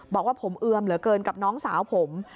บอกว่าผมเอือมเหลือเกินกับน้องสาวผม